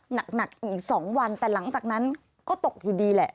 หนักอีก๒วันแต่หลังจากนั้นก็ตกอยู่ดีแหละ